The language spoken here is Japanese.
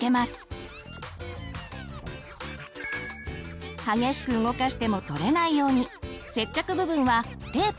激しく動かしても取れないように接着部分はテープで補強しましょう。